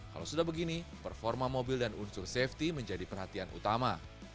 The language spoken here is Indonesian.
kalau sudah begini performa mobil dan unsur safety menjadi perhatian utama